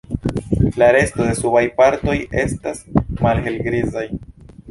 La resto de subaj partoj estas malhelgrizaj.